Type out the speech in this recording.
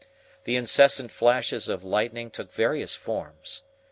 The incessant flashes of lightning took various forms.